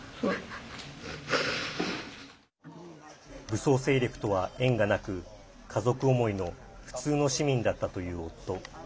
武装勢力とは縁がなく家族思いの普通の市民だったという夫。